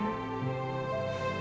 pak al adalah nafasnya